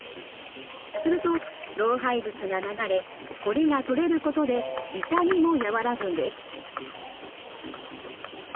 すると老廃物が流れこりが取れることで痛みも和らぐんです。